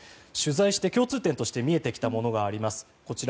取材して共通点として見えてきたものがあります。